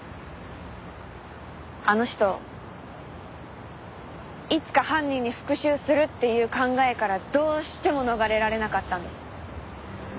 あの人いつか犯人に復讐するっていう考えからどうしても逃れられなかったんです。